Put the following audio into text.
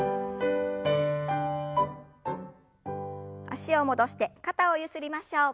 脚を戻して肩をゆすりましょう。